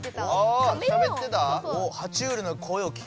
おしゃべってた？